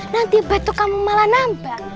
nanti batu kamu malah nambang